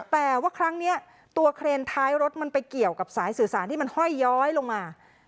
แต่ว่าครั้งนี้ตัวเครนท้ายรถมันไปเกี่ยวกับสายสื่อสารที่มันห้อยย้อยลงมา